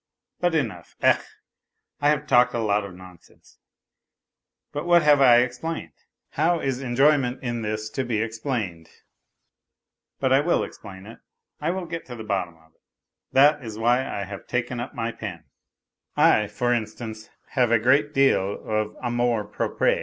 But enough. ... Ech, I have talked a lot of nonsense, but what have I explained ? How is enjoyment in this to be explained ? But I will explain it. I will get to the bottom of it ! That is why I have taken up my pen. ... I, for instance, have a great deal of amour propre.